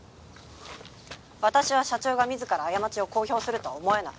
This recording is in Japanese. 私は社長が自ら過ちを公表するとは思えない。